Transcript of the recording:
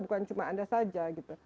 bukan cuma anda saja